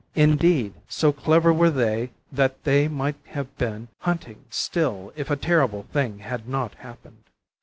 Indeed, so clever were they that they might have been hunting still if a terrible thing had not happened.